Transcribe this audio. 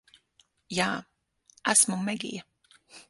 Jā. Esmu Megija.